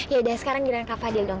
yaudah sekarang giliran kak fadil dong